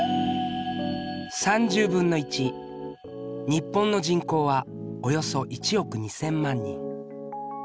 日本の人口はおよそ１億２，０００万人。